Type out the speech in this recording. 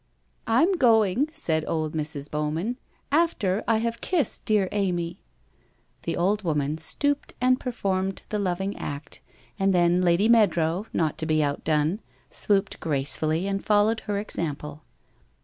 i I'm going/ said old Mrs. Bowman. ' After I have kissed dear Amy !" The old woman stooped and performed the loving act, and then Lady Meadrow, not to be outdone, swooped gracefully and followed her example.